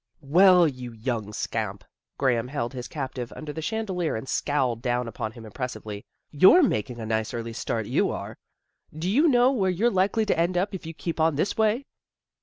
" Well, you young scamp! " Graham held his captive under the chandelier and scowled down upon him impressively. " You're ma king a nice early start, you are. Do you know where you're likely to end up, if you keep on this way?